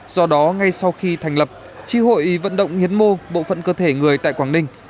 do đó ngay sau khi thành lập tri hội vận động hiến mô bộ phận cơ thể người tại quảng ninh